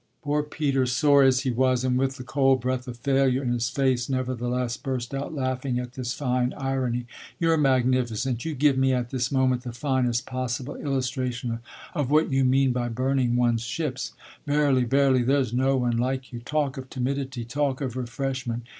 Poor Peter, sore as he was, and with the cold breath of failure in his face, nevertheless burst out laughing at this fine irony. "You're magnificent, you give me at this moment the finest possible illustration of what you mean by burning one's ships. Verily, verily there's no one like you: talk of timidity, talk of refreshment!